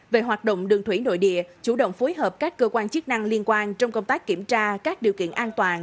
về hoạt động đường thủy nội địa chủ động phối hợp các cơ quan chức năng liên quan trong công tác kiểm tra các điều kiện an toàn